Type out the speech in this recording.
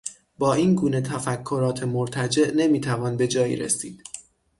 با این گونه تفکرات مرتجع نمیتوان به جایی رسید